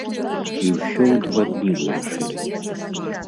І ўсё ў два дні вырашылі!